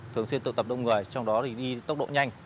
thường xuyên tụ tập đông người trong đó thì đi tốc độ nhanh